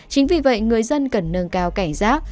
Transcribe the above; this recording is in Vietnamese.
chính vì vậy người dân cần nâng cao cảnh giác